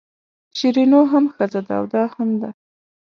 شیرینو هم ښځه ده او دا هم ده.